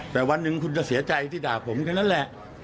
แต่วันหนึ่งคุณจะเสียใจที่ด่าผมแค่นั้นแหละ